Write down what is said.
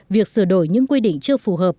việc sửa đổi những quy định chưa phù hợp